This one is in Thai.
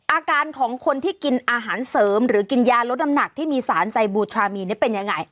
อาการของคนที่กินอาหารเสริมหรือกินยาลดน้ำหนักที่มีสารไซบูทรามีนเป็นยังไง